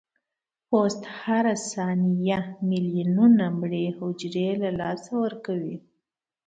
پوست هره ثانیه ملیونونه مړه حجرو له لاسه ورکوي.